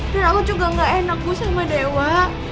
dan aku juga gak enak sama dewa